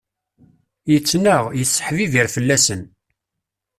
Yettnaɣ, yesseḥbibir fell-asen.